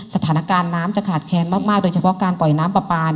สถานการณ์น้ำจะขาดแค้นมากโดยเฉพาะการปล่อยน้ำปลาปลา